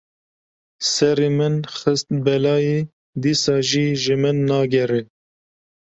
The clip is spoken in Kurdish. Serê min xist belayê dîsa jî ji min nagere.